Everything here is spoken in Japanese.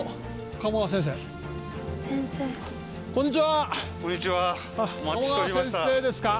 鴨川先生ですか？